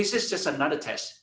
ini hanya satu tes lain